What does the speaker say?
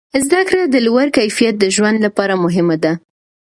زده کړه د لوړ کیفیت د ژوند لپاره مهمه ده.